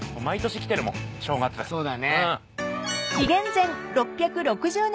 そうだね。